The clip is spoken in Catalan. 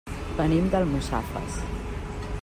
Venim d'Almussafes.